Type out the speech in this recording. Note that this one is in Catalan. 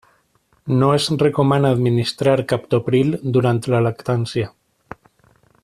No es recomana administrar captopril durant la lactància.